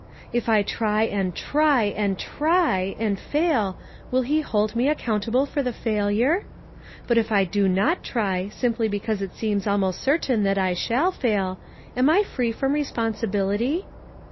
If I try and try and TRY and fail, will he hold me ac countable for the failure? But if I do not try, simply because it seems almost certain that I shall fail, am I free from responsi bility